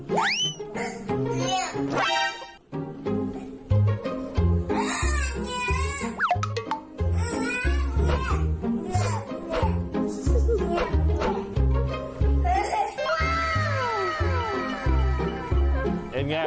เป็นไง